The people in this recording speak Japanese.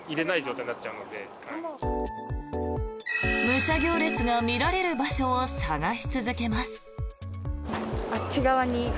武者行列が見られる場所を探し続けます。